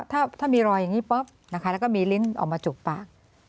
ถ้ามีรอยอย่างนี้ปุ๊บนะคะแล้วก็มีลิ้นออกมาจุกปาก